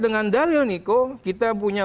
dengan dalil niko kita punya